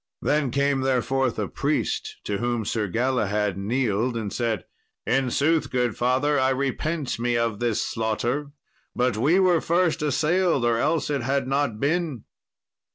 Then came there forth a priest, to whom Sir Galahad kneeled and said, "In sooth, good father, I repent me of this slaughter; but we were first assailed, or else it had not been."